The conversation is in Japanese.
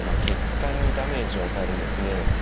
血管にダメージを与えるんですね。